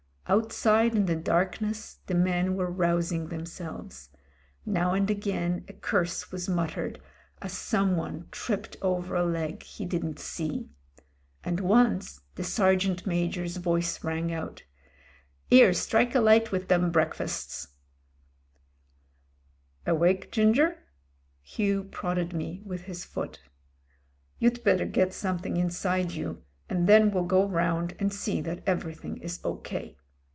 Outside in the darkness the men were rousing themselves ; now and again a curse was muttered as someone tripped over a leg he didn't see ; and once the Sergeant Major's voice rang out —" 'Ere, strike a light with them breakfasts." igo MEN, WOMEN AND GUNS "Awake, Ginger?'' Hugh prodded me with his foot. "You'd better get something inside you, and then we'll go round and see that everything is O.K."